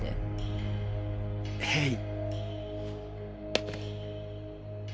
へい。